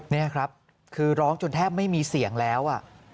นี่ครับคือร้องจนแทบไม่มีเสียงแล้ว